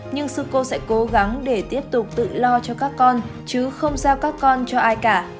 nhưng sư cô sẽ cố gắng để tiếp tục tự lo cho các con chứ không giao các con cho ai cả